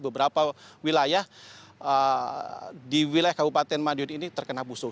beberapa wilayah di wilayah kabupaten madiun ini terkena busuk